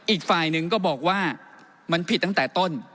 อีกฝ่ายหนึ่งก็บอกว่ามันผิดตั้งแต่ต้น